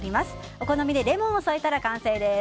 お好みでレモンを添えたら完成です。